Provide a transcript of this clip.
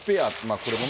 これもね。